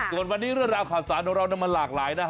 ส่วนวันนี้เรื่องราวข่าวสารของเรามันหลากหลายนะ